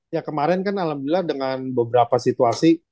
ya kemarin kan alhamdulillah dengan beberapa situasi